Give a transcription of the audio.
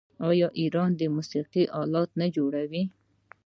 آیا ایران د موسیقۍ الات نه جوړوي؟